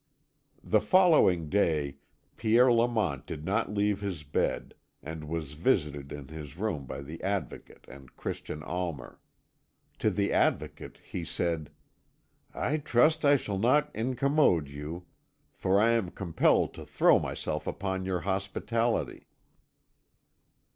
The following day Pierre Lamont did not leave his bed, and was visited in his room by the Advocate and Christian Almer. To the Advocate he said: "I trust I shall not incommode you, for I am compelled to throw myself upon your hospitality."